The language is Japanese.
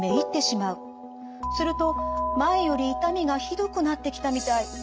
すると前より痛みがひどくなってきたみたい。